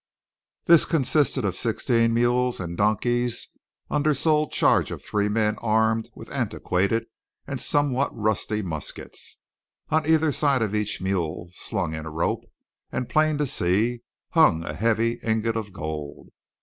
This consisted of sixteen mules and donkeys under sole charge of three men armed with antiquated and somewhat rusty muskets. On either side of each mule, slung in a rope and plain to see, hung a heavy ingot of gold!